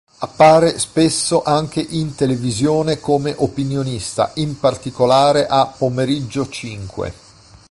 Appare spesso anche in televisione come opinionista, in particolare a "Pomeriggio Cinque".